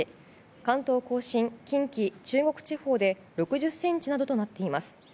関東・甲信、近畿、中国地方で６０ｃｍなどとなっています。